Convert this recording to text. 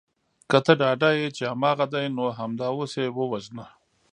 که ته ډاډه یې چې هماغه دی نو همدا اوس یې ووژنه